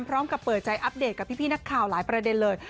พร้อมกับเปิดใจอัปเดตกับพี่นักข่าวหลายประเด็นเลย